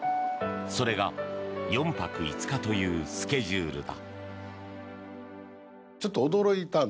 それが４泊５日というスケジュールだ。